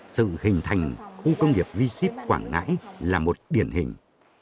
sự hình thành khu công nghiệp v ship quảng ngãi là một điển hình